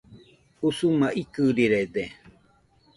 Usuma ikɨrirede